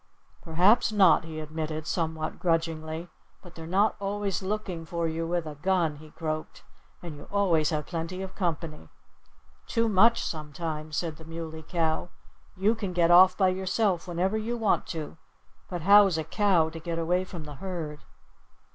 "Perhaps not!" he admitted somewhat grudgingly. "But they're not always looking for you with a gun," he croaked. "And you always have plenty of company." "Too much, sometimes," said the Muley Cow. "You can get off by yourself whenever you want to. But how's a cow to get away from the herd?"